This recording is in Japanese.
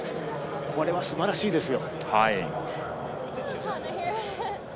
これはすばらしいですよ。